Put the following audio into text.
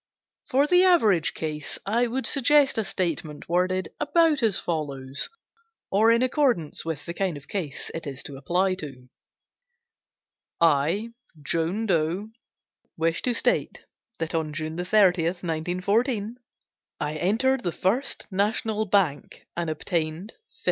For the average case I would suggest a statement worded about as follows, or in accordance with the kind of case it is to apply to: "I, Jone Doe, wish to state that on June 30th, 1914, I entered the First National Bank and obtained $50.